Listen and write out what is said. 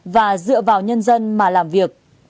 và dựa vào nhân dân mà làm việc